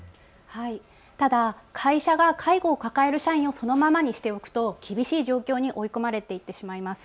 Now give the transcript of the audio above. ただ会社が介護を抱える社員をそのままにしておくと厳しい状況に追い込まれていってしまいます。